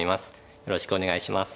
よろしくお願いします。